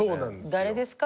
誰ですか？